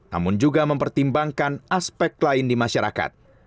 namun juga mempertimbangkan aspek lain di masyarakat